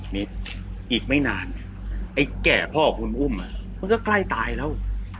นี่อีกไม่นานไอ้แก่พ่อคุณอุ้มมันก็ใกล้ตายแล้ว